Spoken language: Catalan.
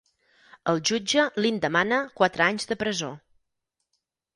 El jutge li'n demana quatre anys de presó.